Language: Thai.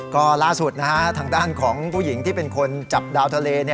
ก็ล่าสุดนะฮะทางด้านของผู้หญิงที่เป็นคนจับดาวทะเล